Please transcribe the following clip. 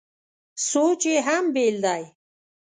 سوچ یې هم بېل دی.